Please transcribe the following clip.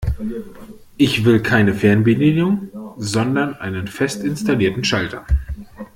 Ich will keine Fernbedienung, sondern einen fest installierten Schalter.